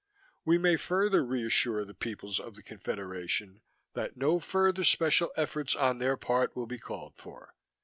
We may further reassure the peoples of the Confederation that no further special efforts on their part will be called for.